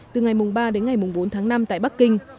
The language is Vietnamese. từ ngày ba đến ngày bốn tháng năm tại bắc kinh